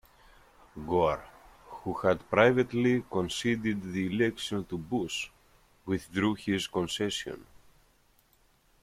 Gore, who had privately conceded the election to Bush, withdrew his concession.